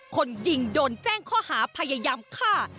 คนยิงโดนแจ้งข้อหาพยายามฆ่า